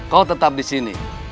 kau tetap disini